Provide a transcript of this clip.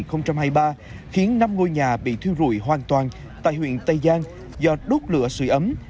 khi năm hai nghìn hai mươi ba khiến năm ngôi nhà bị thuyên rụi hoàn toàn tại huyện tây giang do đốt lửa sủi ấm